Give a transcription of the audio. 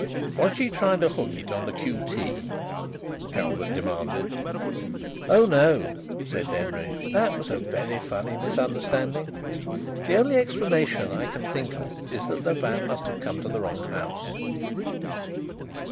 "Was she trying to hook it on the q.t.?" Calvert demanded. "Oh, no!" said Denry. "That was a very funny misunderstanding. The only explanation I can think of is that that van must have come to the wrong house."